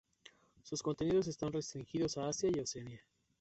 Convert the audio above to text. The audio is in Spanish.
Sus contenidos están restringidos a Asia y Oceanía.